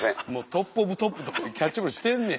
トップオブトップとキャッチボールしてんねん。